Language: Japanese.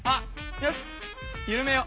よしゆるめよう。